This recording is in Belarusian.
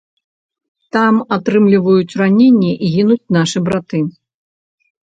Там атрымліваюць раненні і гінуць нашы браты.